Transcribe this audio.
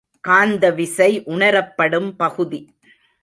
காந்த விசை உணரப்படும் பகுதி.